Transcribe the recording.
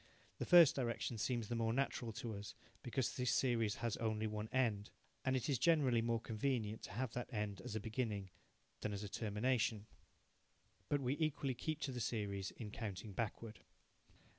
The first direction seems the more natural to us, because this series has only one end, and it is generally more convenient to have that end as a beginning than as a termination. But we equally keep to the series in counting backward.